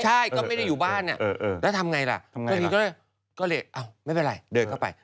ใช่ก็ไม่ได้อยู่บ้านแล้วทำไงล่ะเธอทีนี้ก็เลยไม่เป็นไรเดินเข้าไป